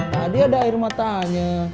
tadi ada air matanya